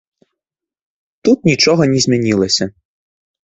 Тут нічога не змянілася.